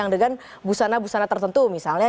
dengan busana busana tertentu misalnya